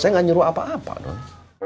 saya gak nyuruh apa apa dong